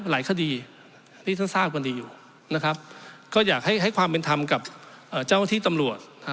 หลายคดีที่ท่านทราบกันดีอยู่นะครับก็อยากให้ความเป็นธรรมกับเจ้าที่ตำรวจ